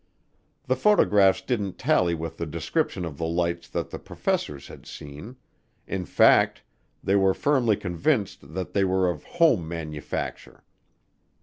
The photographs didn't tally with the description of the lights that the professors had seen; in fact, they were firmly convinced that they were of "home manufacture."